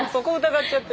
って。